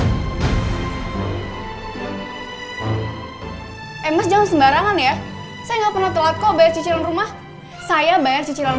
eh mas jangan sembarangan ya saya nggak pernah telat kok bayar cicilan rumah saya bayar cicilan